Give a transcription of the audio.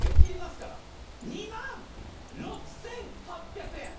２万６８００円。